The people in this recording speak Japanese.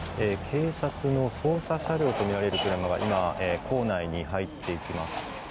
警察の捜査車両とみられる車が今、校内に入っていきます。